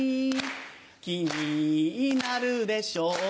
木になるでしょう